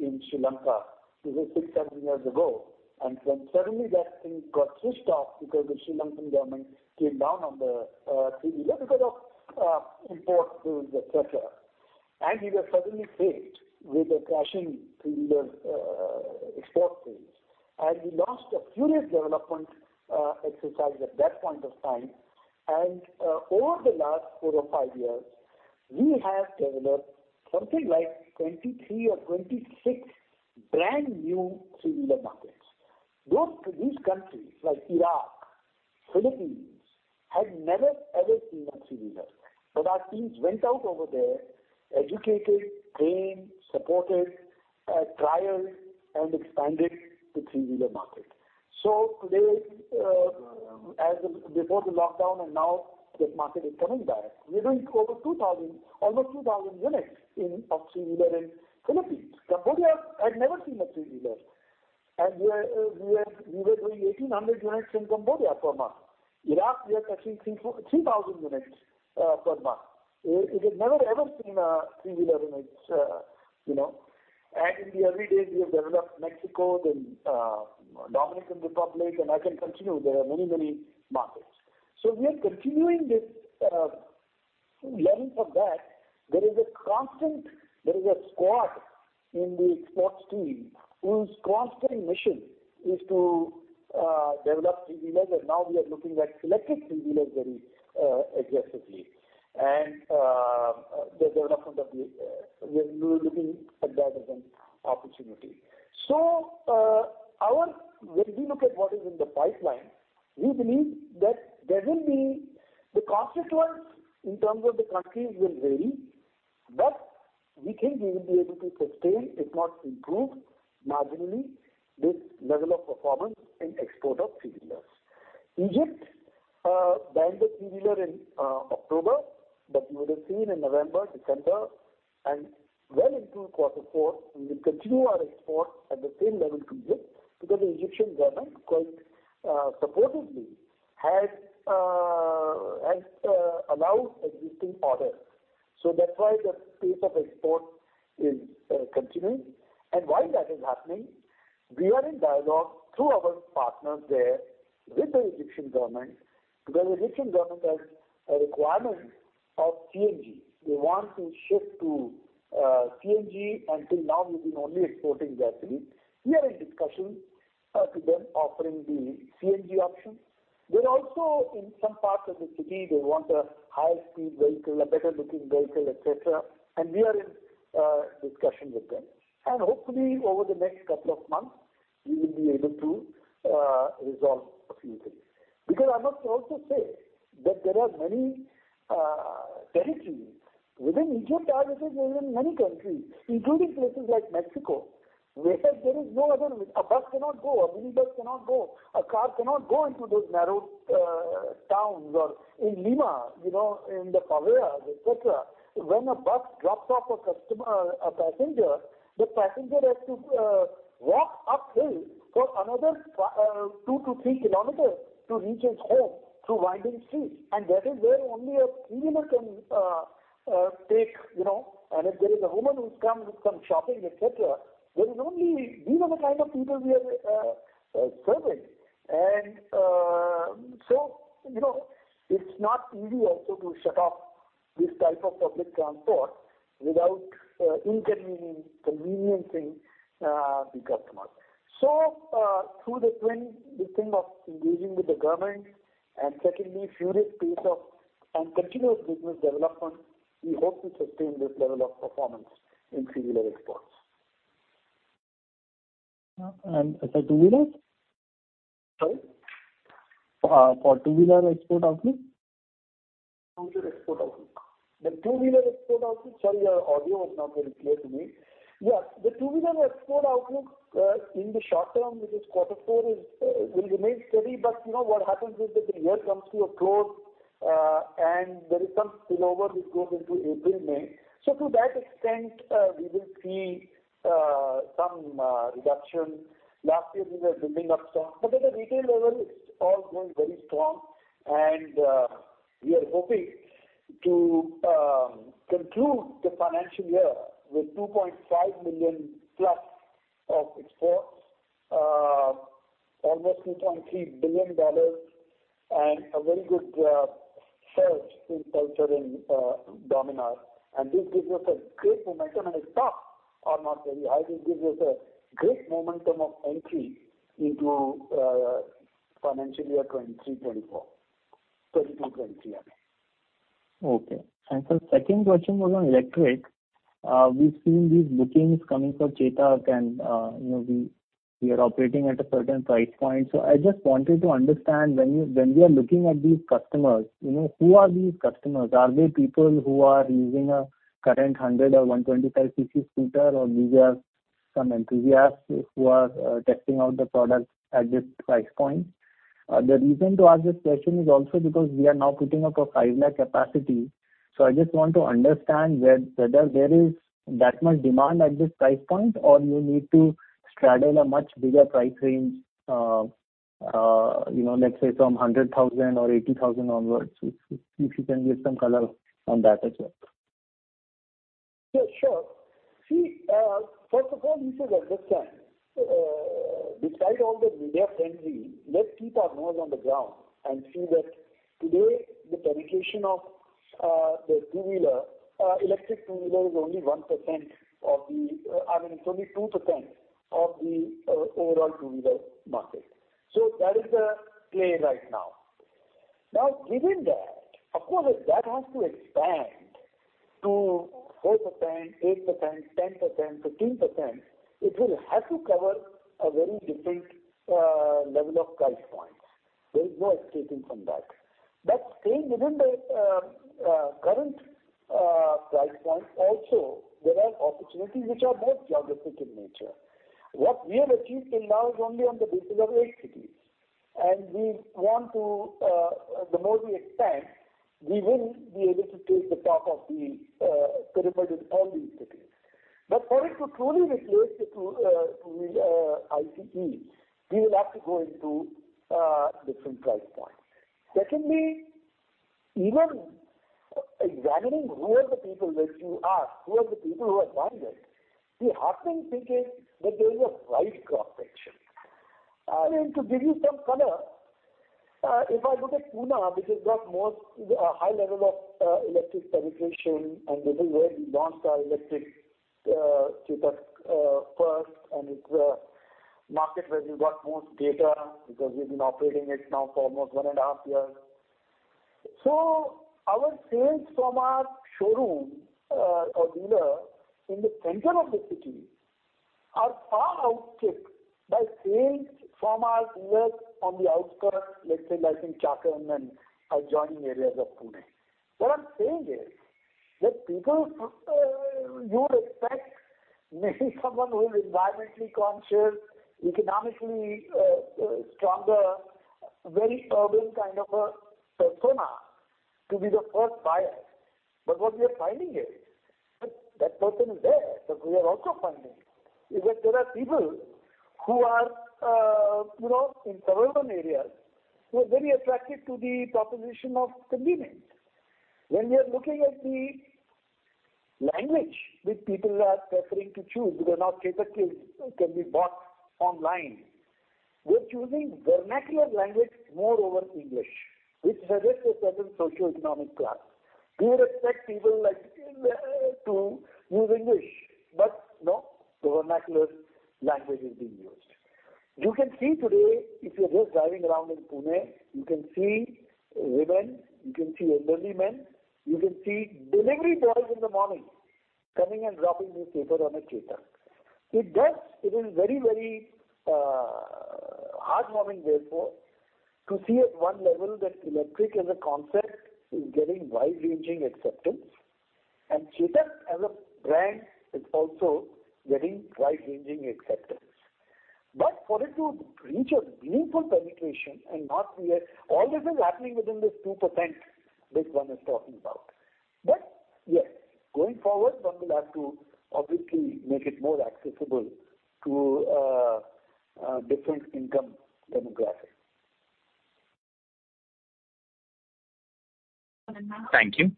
in Sri Lanka. This is six-seven years ago. When suddenly that thing got switched off because the Sri Lankan government came down on the three-wheeler because of import duties, et cetera. We were suddenly faced with a crashing three-wheeler export base. We lost a furious development exercise at that point of time. Over the last four or five years, we have developed something like 23 or 26 brand new three-wheeler markets. These countries like Iraq, Philippines, had never, ever seen a three-wheeler. Our teams went out over there, educated, trained, supported, trialed and expanded the three-wheeler market. Today, as of before the lockdown and now this market is coming back, we're doing over 2,000, almost 2,000 units in of three-wheeler in Philippines. Cambodia had never seen a three-wheeler, and we were doing 1,800 units in Cambodia per month. Iraq, we are touching 3,000 units per month. It had never, ever seen three-wheeler units, you know. In the early days, we have developed Mexico then Dominican Republic, and I can continue. There are many, many markets. We are continuing this learning from that. There is a constant squad in the exports team whose constant mission is to develop three-wheelers. Now we are looking at electric three-wheelers very aggressively. The development of the, we are looking at that as an opportunity. When we look at what is in the pipeline, we believe that there will be the consequence in terms of the countries will vary, but we think we will be able to sustain, if not improve marginally, this level of performance in export of three-wheelers. Egypt banned the three-wheeler in October, but you would have seen in November, December and well into quarter four, we will continue our export at the same level to Egypt because the Egyptian government, quite supportively has allowed existing orders. That's why the pace of export is continuing. While that is happening, we are in dialogue through our partners there with the Egyptian government, because the Egyptian government has a requirement of CNG. They want to shift to CNG. Until now, we've been only exporting gasoline. We are in discussion to them offering the CNG option. They're also, in some parts of the city, they want a high-speed vehicle, a better looking vehicle, et cetera. We are in discussion with them. Hopefully over the next couple of months we will be able to resolve a few things. Because I must also say that there are many territories within Egypt, as it is within many countries, including places like Mexico, where there is no other means. A bus cannot go, a minibus cannot go, a car cannot go into those narrow towns or in Lima, you know, in the favelas, et cetera. When a bus drops off a customer, a passenger, the passenger has to walk uphill for another 2-3 km to reach his home through winding streets. That is where only a three-wheeler can take, you know. If there is a woman who's come shopping, et cetera, there is only these kind of people we are serving. You know, it's not easy also to shut off this type of public transport without inconveniencing the customers. Through the twin this thing of engaging with the government and secondly, furious pace of and continuous business development, we hope to sustain this level of performance in three-wheeler exports. Sir, two-wheelers? Sorry. for two-wheeler export outlook. Two-wheeler export outlook. Sorry, your audio was not very clear to me. Yes. The two-wheeler export outlook in the short term, which is quarter four, will remain steady. You know what happens is that the year comes to a close, and there is some spillover which goes into April, May. To that extent, we will see some reduction. Last year we were building up stock, but at the retail level it's all going very strong. We are hoping to conclude the financial year with 2.5 million+ of exports, almost $2.3 billion and a very good surge in KTM and Dominar. This gives us a great momentum. The stock are not very high. This gives us a great momentum of entry into financial year 2022-2023, I mean. Okay. Sir, second question was on electric. We've seen these bookings coming for Chetak and, you know, we are operating at a certain price point. I just wanted to understand when we are looking at these customers, you know, who are these customers? Are they people who are using a current 100 or 125 cc scooter or these are some enthusiasts who are testing out the products at this price point. The reason to ask this question is also because we are now putting up a 5 lakh capacity. I just want to understand whether there is that much demand at this price point or you need to straddle a much bigger price range, you know, let's say from 100,000 or 80,000 onwards. If you can give some color on that as well. Yeah, sure. See, first of all, we should understand, despite all the media frenzy, let's keep our nose on the ground and see that today the penetration of the electric two-wheeler is, I mean, only 2% of the overall two-wheeler market. That is the play right now. Now, given that, of course, that has to expand to 4%, 8%, 10%, 15%. It will have to cover a very different level of price points. There is no escaping from that. Staying within the current price points also, there are opportunities which are more geographic in nature. What we have achieved till now is only on the basis of eight cities. We want to, the more we expand, we will be able to take the top of the pyramid in all these cities. But for it to truly replace the two-wheeler ICE, we will have to go into different price points. Secondly, even examining who are the people that you ask, who are the people who have joined us, we often think it that there is a wide cross-section. I mean, to give you some color, if I look at Pune, which has got most high level of electric penetration, and this is where we launched our electric Chetak first, and it's the market where we've got most data because we've been operating it now for almost one and a half years. Our sales from our showroom or dealer in the center of the city are far outstripped by sales from our dealers on the outskirts, let's say like in Chakan and adjoining areas of Pune. What I'm saying is that people, you would expect maybe someone who is environmentally conscious, economically stronger, very urban kind of a persona to be the first buyer. What we are finding is that person is there, but we are also finding is that there are people who are, you know, in suburban areas who are very attracted to the proposition of convenience. When we are looking at the language which people are preferring to choose, because now Chetak cues can be bought online. We're choosing vernacular language more over English, which suggests a certain socioeconomic class. We would expect people like to use English, but no, the vernacular language is being used. You can see today, if you're just driving around in Pune, you can see women, you can see elderly men, you can see delivery boys in the morning coming and dropping the paper on a Chetak. It is very heartwarming, therefore, to see at one level that electric as a concept is getting wide-ranging acceptance. Chetak as a brand is also getting wide-ranging acceptance. For it to reach a meaningful penetration and not be a. All this is happening within this 2% which one is talking about. Yes, going forward, one will have to obviously make it more accessible to different income demographics. Thank you.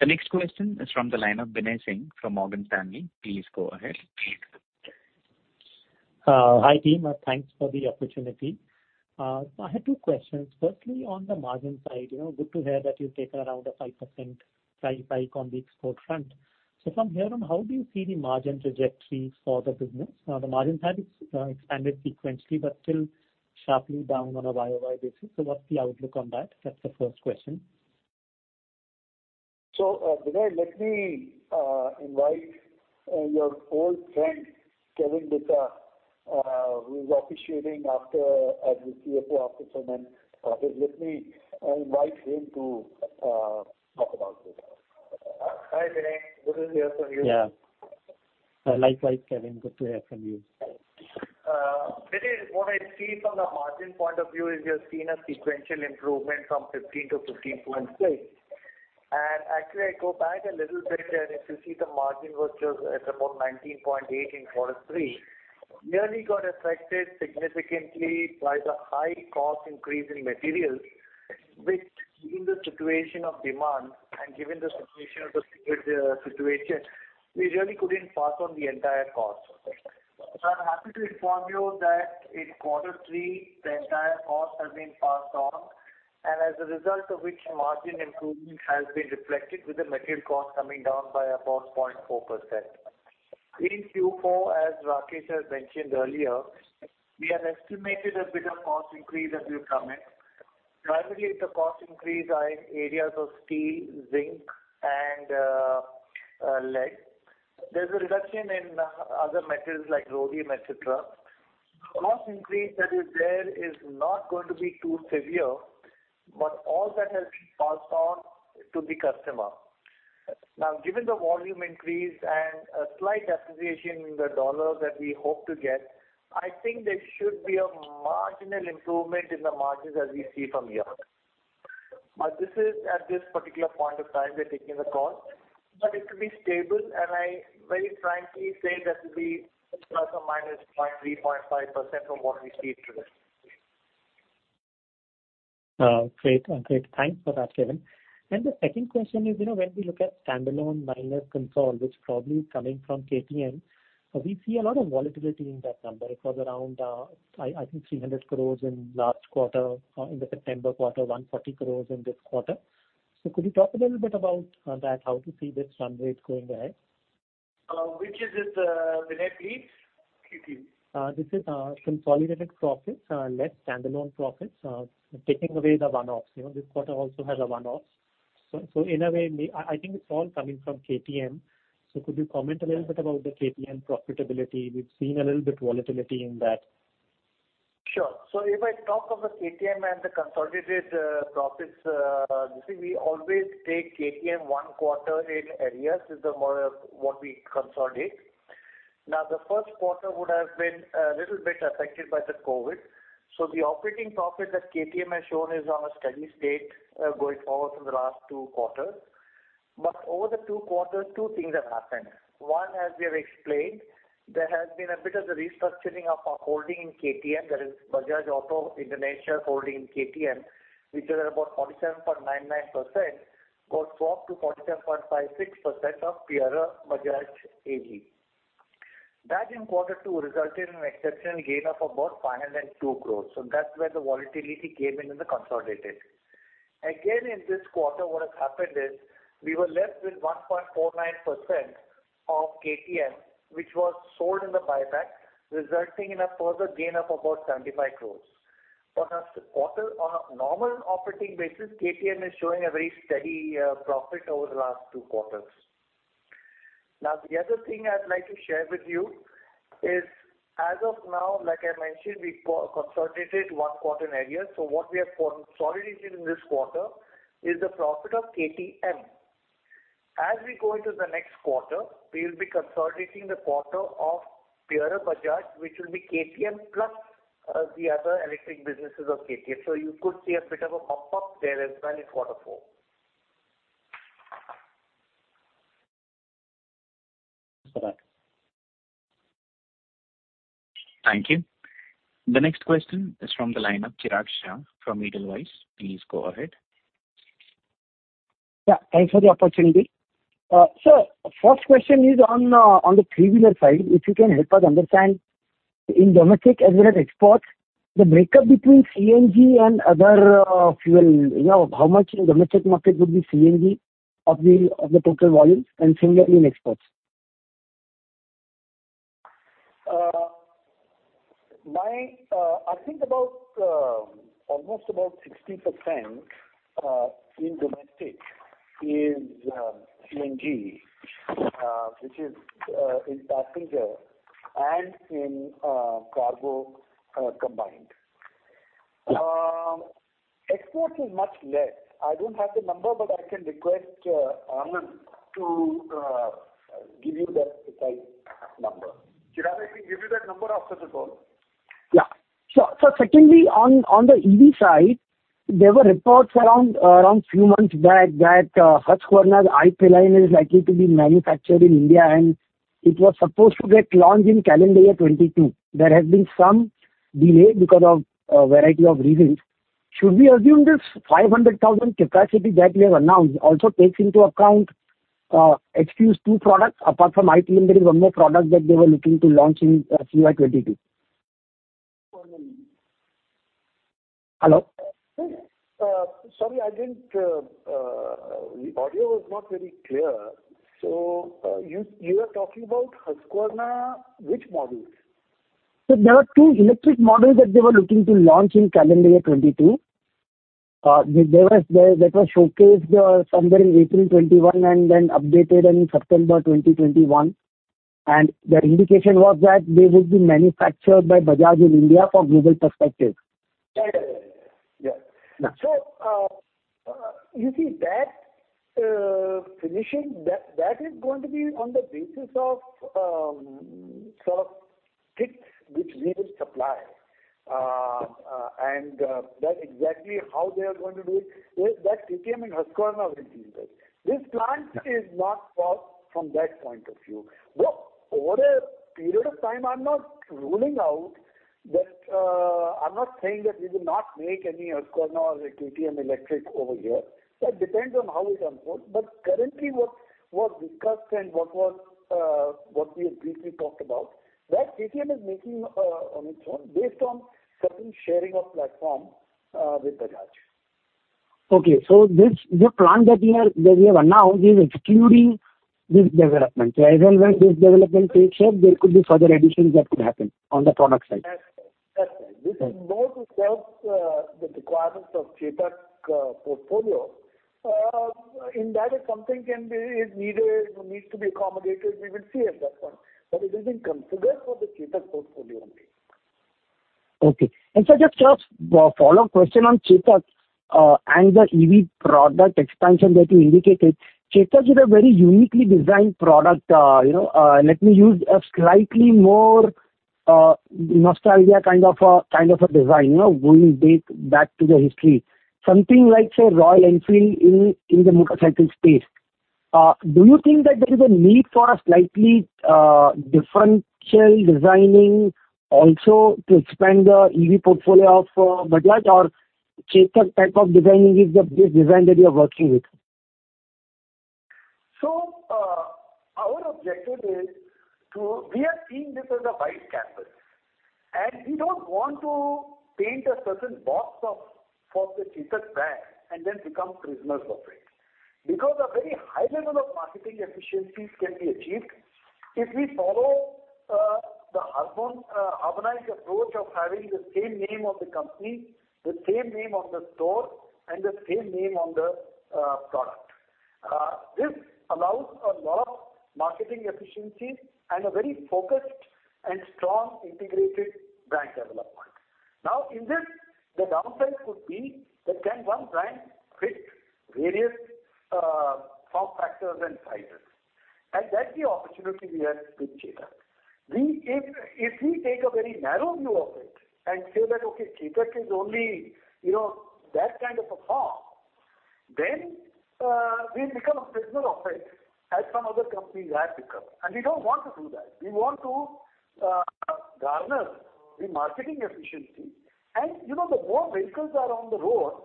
The next question is from the line of Binay Singh from Morgan Stanley. Please go ahead. Hi, team, and thanks for the opportunity. I had two questions. Firstly, on the margin side, you know, good to hear that you've taken around a 5% price hike on the export front. From here on, how do you see the margin trajectory for the business? The margin side is expanded sequentially, but still sharply down on a YOY basis. What's the outlook on that? That's the first question. Binay, let me invite your old friend, Kevin D'Sa, who is officiating as the CFO after Naman, to talk about this. Hi, Binay. Good to hear from you. Yeah. Likewise, Kevin, good to hear from you. Binay, what I see from the margin point of view is you're seeing a sequential improvement from 15%-15.6%. Actually, I go back a little bit, and if you see the margin was just at about 19.8% in Q3. Nearly got affected significantly by the high cost increase in materials, which given the situation of demand and given the situation of the security situation, we really couldn't pass on the entire cost. I'm happy to inform you that in Q3, the entire cost has been passed on, and as a result of which margin improvement has been reflected with the material cost coming down by about 0.4%. In Q4, as Rakesh has mentioned earlier, we have estimated a bit of cost increase that will come in. Primarily, it's a cost increase on areas of steel, zinc and lead. There's a reduction in other metals like rhodium, et cetera. The cost increase that is there is not going to be too severe, but all that has been passed on to the customer. Now, given the volume increase and a slight appreciation in the US dollar that we hope to get, I think there should be a marginal improvement in the margins as we see from here. This is at this particular point of time we are taking the call. It could be stable, and I very frankly say that could be plus or minus 0.3, 0.5% from what we see today. Great. Thanks for that, Kevin. The second question is, you know, when we look at standalone minus Consol, which probably is coming from KTM, we see a lot of volatility in that number. It was around, I think 300 crore in last quarter, in the September quarter, 140 crore in this quarter. Could you talk a little bit about that, how to see this run rate going ahead? Which is it, Binay, please? Excuse me. This is consolidated profits less standalone profits, taking away the one-offs. You know, this quarter also has one-offs. In a way, I think it's all coming from KTM. Could you comment a little bit about the KTM profitability? We've seen a little bit volatility in that. Sure. If I talk of the KTM and the consolidated profits, you see, we always take KTM one quarter in arrears is the more of what we consolidate. The first quarter would have been a little bit affected by the COVID. The operating profit that KTM has shown is on a steady state, going forward from the last two quarters. Over the two quarters, two things have happened. One, as we have explained, there has been a bit of the restructuring of our holding in KTM, that is Bajaj Auto Indonesia holding in KTM, which was about 47.99%, got swapped to 47.56% of Pierer Bajaj AG. That in quarter two resulted in an exceptional gain of about 502 crores. That's where the volatility came in in the consolidated. Again, in this quarter, what has happened is we were left with 1.49% of KTM, which was sold in the buyback, resulting in a further gain of about 75 crore. On a normal operating basis, KTM is showing a very steady profit over the last two quarters. Now, the other thing I'd like to share with you is, as of now, like I mentioned, we consolidated one quarter in arrears. What we have consolidated in this quarter is the profit of KTM. As we go into the next quarter, we will be consolidating the quarter of Pierer Bajaj, which will be KTM plus the other electric businesses of KTM. You could see a bit of a bump up there as well in quarter four. Thanks for that. Thank you. The next question is from the line of Chirag Shah from Edelweiss. Please go ahead. Yeah, thanks for the opportunity. So first question is on the three-wheeler side. If you can help us understand in domestic as well as export, the breakup between CNG and other fuel. You know, how much domestic market would be CNG of the total volume and similarly in exports? I think about almost 60% in domestic is CNG, which is in passenger and in cargo combined. Export is much less. I don't have the number, but I can request Anand to give you the precise number. Chirag, I can give you that number after the call. Secondly, on the EV side, there were reports around a few months back that Husqvarna's S-line is likely to be manufactured in India, and it was supposed to get launched in calendar year 2022. There has been some delay because of a variety of reasons. Should we assume this 500,000 capacity that you have announced also takes into account these two products. Apart from KTM, there is one more product that they were looking to launch in CY 2022. One minute. Hello? Sorry, the audio was not very clear. You were talking about Husqvarna, which models? There are two electric models that they were looking to launch in calendar year 2022. That was showcased somewhere in April 2021 and then updated in September 2021. The indication was that they will be manufactured by Bajaj in India for global perspective. I get it. Yeah. Now- You see that finishing that is going to be on the basis of sort of kits which we will supply. That's exactly how they are going to do it is that KTM and Husqvarna will do that. This plant is not for, from that point of view. Over a period of time, I'm not ruling out that I'm not saying that we will not make any Husqvarna or KTM electric over here. That depends on how it unfolds. Currently, what's discussed and what we have briefly talked about, that KTM is making on its own based on certain sharing of platform with Bajaj. Okay. This, the plant that you have announced is excluding this development. As and when this development takes shape, there could be further additions that could happen on the product side. That's it. Okay. This is more to serve the requirements of Chetak portfolio. In that way, something needs to be accommodated. We will see at that point. It has been configured for the Chetak portfolio only. Okay. Just a follow-up question on Chetak and the EV product expansion that you indicated. Chetak is a very uniquely designed product. You know, let me use a slightly more nostalgia kind of a design, you know, dating back to the history. Something like, say, Royal Enfield in the motorcycle space. Do you think that there is a need for a slightly differential designing also to expand the EV portfolio for Bajaj? Or Chetak type of designing is the design that you are working with? We are seeing this as a white canvas, and we don't want to paint ourselves into a certain box for the Chetak brand and then become prisoners of it. Because a very high level of marketing efficiencies can be achieved if we follow the harmonized approach of having the same name of the company, the same name of the store, and the same name on the product. This allows a lot of marketing efficiencies and a very focused and strong integrated brand development. Now, in this, the downside could be that, can one brand fit various form factors and sizes? That's the opportunity we have with Chetak. If we take a very narrow view of it and say that, okay, Chetak is only, you know, that kind of a form, then, we become a prisoner of it, as some other companies have become, and we don't want to do that. We want to garner the marketing efficiency. You know, the more vehicles are on the road,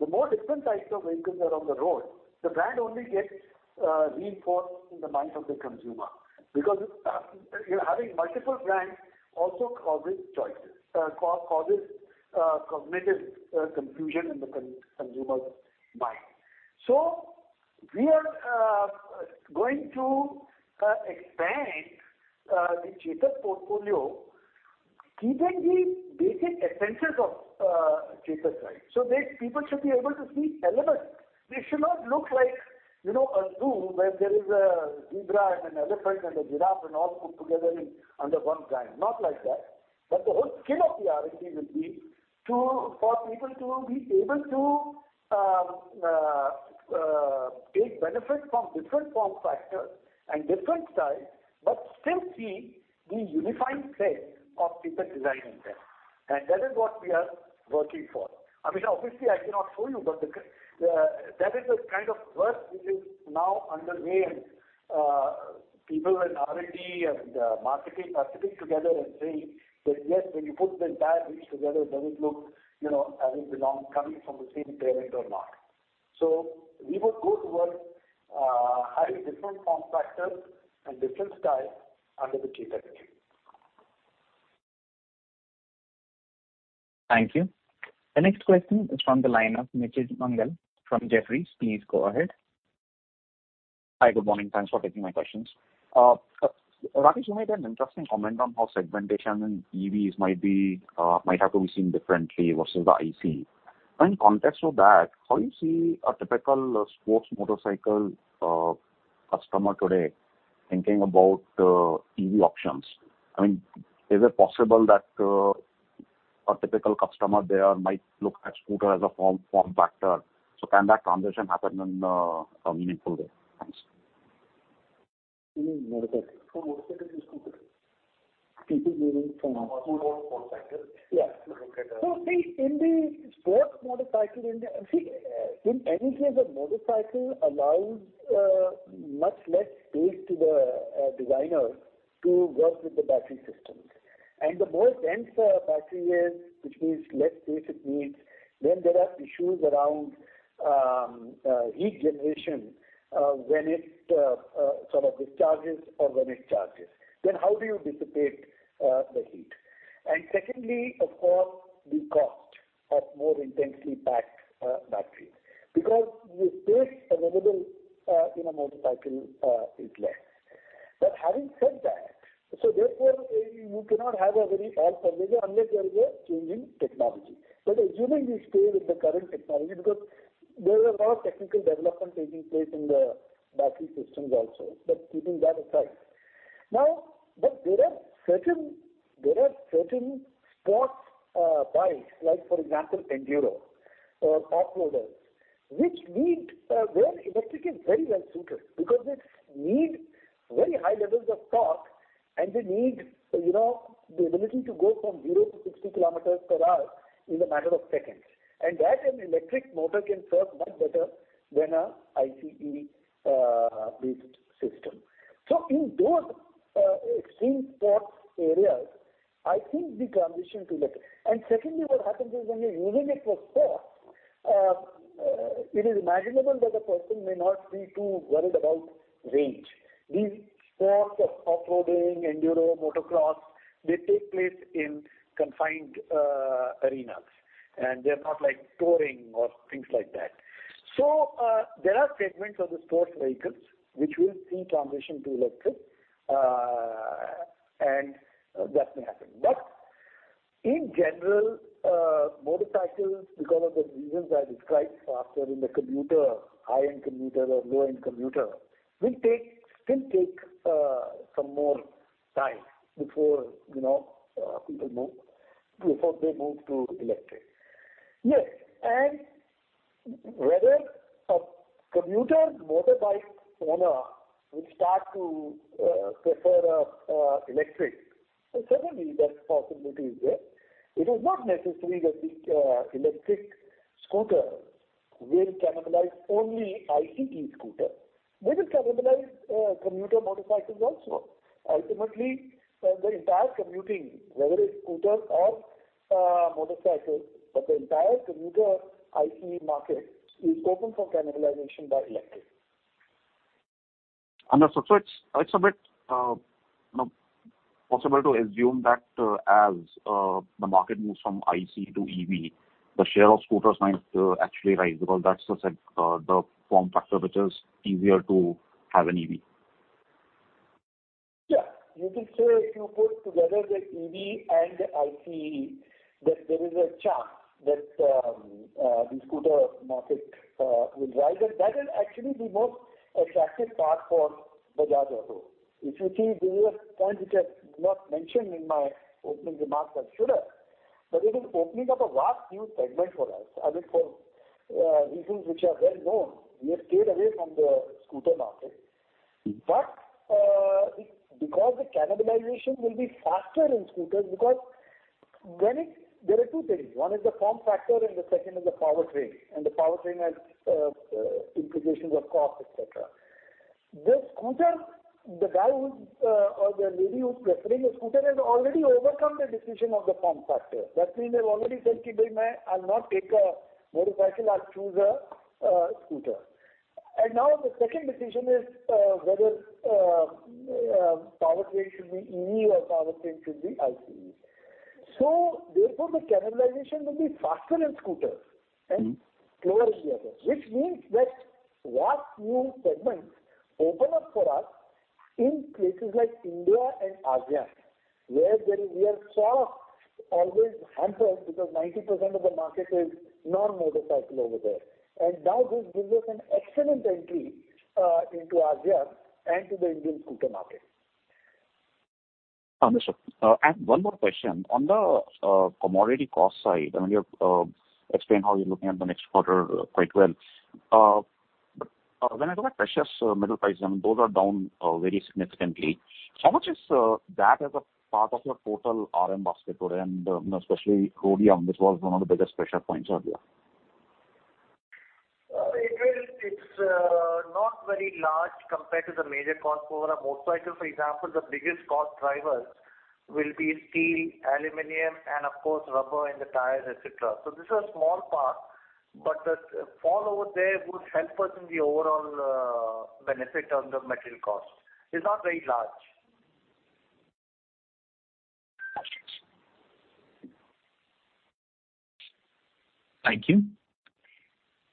the more different types of vehicles are on the road, the brand only gets reinforced in the minds of the consumer. Because you know, having multiple brands also causes choices, causes cognitive confusion in the consumer's mind. We are going to expand the Chetak portfolio, keeping the basic essences of Chetak design. People should be able to see elements. They should not look like, you know, a zoo where there is a zebra and an elephant and a giraffe and all put together in, under one brand. Not like that. But the whole skill of the R&D will be to, for people to be able to take benefit from different form factors and different styles, but still see the unifying thread of Chetak design in there. That is what we are working for. I mean, obviously, I cannot show you, but that is the kind of work which is now underway. People in R&D and marketing are sitting together and saying that, "Yes, when you put the entire range together, does it look, you know, like it belongs, coming from the same parent or not?" We would go towards having different form factors and different styles under the Chetak name. Thank you. The next question is from the line of Nitij Mangal from Jefferies. Please go ahead. Hi. Good morning. Thanks for taking my questions. Rajiv, you made an interesting comment on how segmentation in EVs might have to be seen differently versus the ICE. Now, in context of that, how you see a typical sports motorcycle customer today thinking about EV options? I mean, is it possible that a typical customer there might look at scooter as a form factor? So can that transition happen in a meaningful way? Thanks. In motorcycle. For motorcycles and scooters. People moving from- Sports motorcycle. Yeah. Look at. See, in any case, a motorcycle allows much less space to the designer to work with the battery systems. The more dense the battery is, which means less space it needs, then there are issues around heat generation when it sort of discharges or when it charges. How do you dissipate the heat? Secondly, of course, the cost of more intensely packed battery. Because the space available in a motorcycle is less. Having said that, therefore, you cannot have a very odd provision unless there is a change in technology. Assuming we stay with the current technology, because there is a lot of technical development taking place in the battery systems also. Keeping that aside. There are certain sports bikes, like for example enduro or off-roaders, which need where electric is very well suited because they need very high levels of torque and they need, you know, the ability to go from 0 to 60 km/h in a matter of seconds. That an electric motor can serve much better than a ICE based system. In those extreme sports areas, I think the transition to electric. Secondly, what happens is when you're using it for sports, it is imaginable that the person may not be too worried about range. These sports of off-roading, enduro, motocross, they take place in confined arenas, and they're not like touring or things like that. There are segments of the sports vehicles which will see transition to electric. that may happen. In general, motorcycles, because of the reasons I described faster in the commuter, high-end commuter or low-end commuter, will take some more time before, you know, people move, before they move to electric. Yes. Whether a commuter motorbike owner will start to prefer electric, certainly that possibility is there. It is not necessary that the electric scooter will cannibalize only ICE scooter. They will cannibalize commuter motorcycles also. Ultimately, the entire commuting, whether it's scooter or motorcycle, but the entire commuter ICE market is open for cannibalization by electric. Understood. It's a bit possible to assume that as the market moves from ICE to EV, the share of scooters might actually rise because that's the form factor which is easier to have an EV. Yeah. You can say if you put together the EV and the ICE, that there is a chance that the scooter market will rise. That is actually the most attractive part for Bajaj Auto. If you see, there is a point which I have not mentioned in my opening remarks as should have, but it is opening up a vast new segment for us. I mean, for reasons which are well known, we have stayed away from the scooter market. The cannibalization will be faster in scooters. There are two things. One is the form factor and the second is the powertrain, and the powertrain has implications of cost, et cetera. The scooter, the guy who's or the lady who's preferring a scooter has already overcome the decision of the form factor. That means they've already said, "I'll not take a motorcycle, I'll choose a scooter." Now the second decision is whether powertrain should be EV or powertrain should be ICE. Therefore, the cannibalization will be faster in scooters and slower in the other. Which means that vast new segments open up for us in places like India and ASEAN, where we are sort of always hampered because 90% of the market is non-motorcycle over there. Now this gives us an excellent entry into ASEAN and to the Indian scooter market. Understood. One more question. On the commodity cost side, I mean, you have explained how you're looking at the next quarter quite well. When I look at precious metal prices, those are down very significantly. How much is that as a part of your total RM basket and especially rhodium, which was one of the biggest pressure points earlier? It's not very large compared to the major cost over a motorcycle. For example, the biggest cost drivers will be steel, aluminum and of course rubber and the tires, et cetera. This is a small part, but the fall over there would help us in the overall benefit on the material cost. It's not very large. Thank you.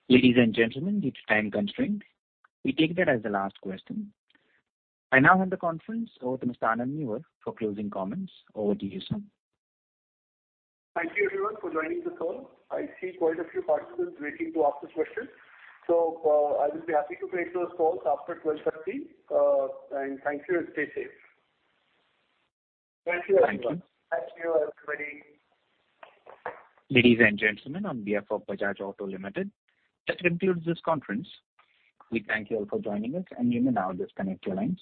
Ladies and gentlemen, due to time constraint, we take that as the last question. I now hand the conference over to Mr. Anand Newar for closing comments. Over to you, sir. Thank you everyone for joining the call. I see quite a few participants waiting to ask the question. I will be happy to take those calls after 12:30 P.M. Thank you and stay safe. Thank you. Thank you, everybody. Ladies and gentlemen, on behalf of Bajaj Auto Limited, that concludes this conference. We thank you all for joining us, and you may now disconnect your lines.